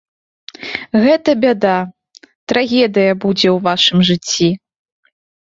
Гэта бяда, трагедыя будзе ў вашым жыцці.